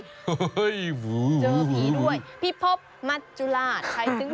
เฮ้ยเจอผีด้วยพี่พบมัจจุราช